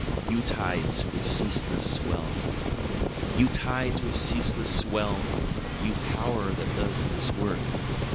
[III] You Tides with Ceaseless Swell You tides with ceaseless swell! you power that does this work!